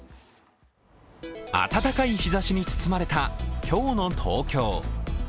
暖かい日ざしに包まれた、今日の東京。